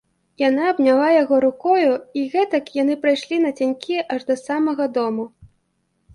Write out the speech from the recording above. Яна абняла яго рукою, і гэтак яны прайшлі нацянькі аж да самага дому.